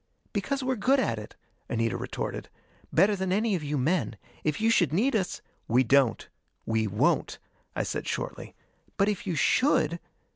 "Because we're good at it," Anita retorted. "Better than any of you men. If you should need us...." "We don't. We won't." I said shortly. "But if you should...."